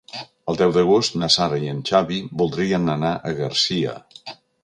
El deu d'agost na Sara i en Xavi voldrien anar a Garcia.